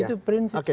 itu prinsip sekali